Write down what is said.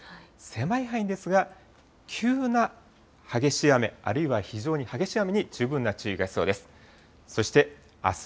狭い範囲ですが、急な激しい雨、あるいは非常に激しい雨に十分な注意が必要です。